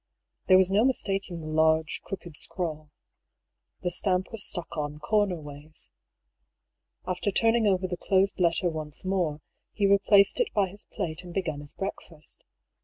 There was no mistaking the large, crooked scrawl. The stamp was 22 DR. PAULL'S THEORY. stuck on comer ways. After turning over the closed letter once more, he replaced it by his plate and began his breakfast.